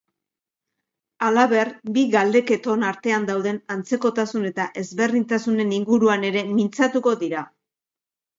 Halaber, bi galdeketon artean dauden antzekotasun eta ezberdintasunen inguruan ere mintzatuko dira.